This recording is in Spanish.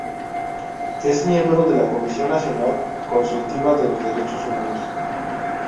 Es miembro de la Comisión Nacional Consultiva de los Derechos Humanos.